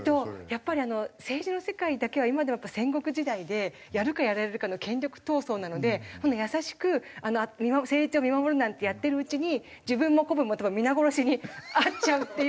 やっぱり政治の世界だけは今でも戦国時代でやるかやられるかの権力闘争なので優しく成長を見守るなんてやってるうちに自分も子分も多分皆殺しに遭っちゃうっていうのと。